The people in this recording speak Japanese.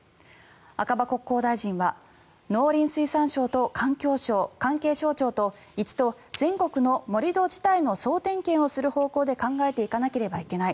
赤羽国交大臣は農林水産省と環境省関係省庁と一度全国の盛り土自体の総点検をする方向で考えていかなければいけない。